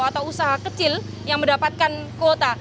atau usaha kecil yang mendapatkan kuota